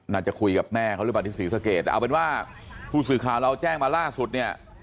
น่าจะคุยกับแม่เขาหรือเปล่าที่ศรีสะเกดแต่เอาเป็นว่าผู้สื่อข่าวเราแจ้งมาล่าสุดเนี่ย